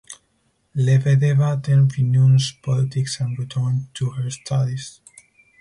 Lebedeva then renounced politics and returned to her studies.